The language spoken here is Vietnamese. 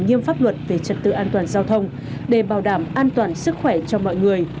nghiêm pháp luật về trật tự an toàn giao thông để bảo đảm an toàn sức khỏe cho mọi người